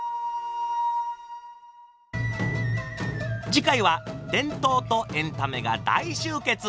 次回は伝統とエンタメが大集結。